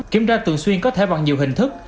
kiểm tra thường xuyên có thể bằng nhiều hình thức